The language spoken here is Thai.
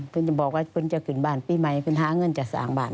คุณจะบอกว่าคุณจะขึ้นบ้านปีใหม่เพื่อนหาเงินจะสร้างบ้าน